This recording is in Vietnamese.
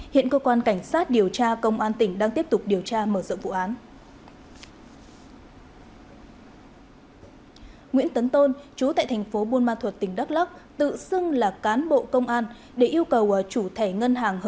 hiện cơ quan cảnh sát điều tra công an tỉnh đang tiếp tục điều tra mở rộng vụ án